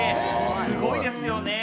すごいですよね。